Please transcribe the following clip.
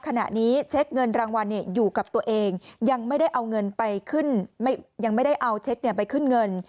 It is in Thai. ขณะนี้เช็คเงินรางวัลอยู่กับตัวเองยังไม่ได้เอาเช็คไปขึ้นเงิน